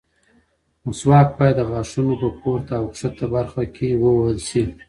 مسواک باید د غاښونو په پورته او ښکته برخه ووهل شي.